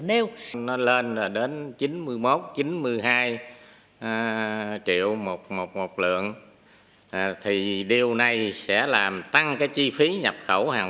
nếu nó lên là đến chín mươi một chín mươi hai triệu một lượng thì điều này sẽ làm tăng cái chi phí nhập khẩu hàng